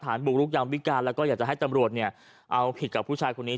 ฐานบุรุกยังวิการแล้วก็อยากจะให้จำรวจเอาผิดกับผู้ชายคนนี้